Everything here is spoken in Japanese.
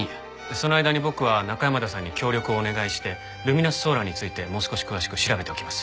その間に僕は中山田さんに協力をお願いしてルミナスソーラーについてもう少し詳しく調べておきます。